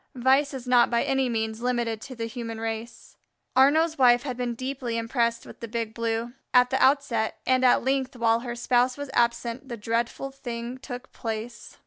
Vice is not by any means limited to the human race. Arnaux's wife had been deeply impressed with the Big Blue, at the outset, and at length while her spouse was absent the dreadful thing took place.